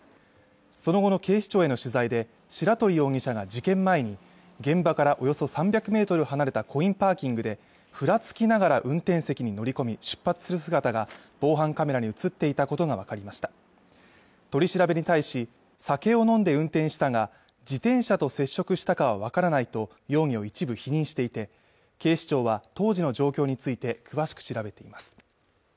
その後の警視庁への取材で白鳥容疑者が事件前に現場からおよそ３００メートル離れたコインパーキングでふらつきながら運転席に乗り込み出発する姿が防犯カメラに映っていたことが分かりました取り調べに対し酒を飲んで運転したが自転車と接触したかはわからないと容疑を一部否認していて警視庁は当時の状況について詳しく調べています